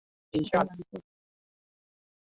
Tayari ilikuwa saa tis ana nusu alasiri